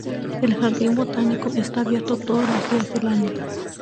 El jardín botánico está abierto todos los días del año.